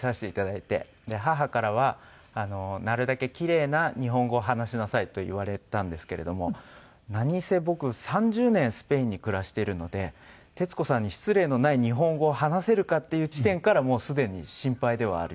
で母からは「なるだけキレイな日本語を話しなさい」と言われたんですけれども。何せ僕３０年スペインに暮らしているので徹子さんに失礼のない日本語を話せるかっていう地点からもうすでに心配ではあります。